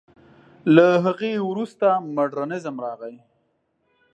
له هغې وروسته مډرنېزم راغی.